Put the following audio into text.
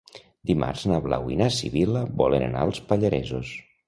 Dimarts na Blau i na Sibil·la volen anar als Pallaresos.